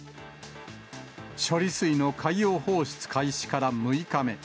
処理水の海洋放出開始から６日目。